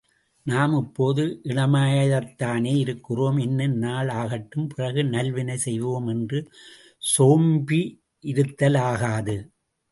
நாம் இப்போது இளமைாய்த்தானே இருக்கிறோம் இன்னும் நாள் ஆகட்டும் பிறகு நல்வினை செய்வோம் என்று சோம்பியிருந்தலாகாது.